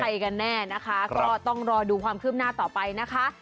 กันแน่นะคะก็ต้องรอดูความคืบหน้าต่อไปนะคะ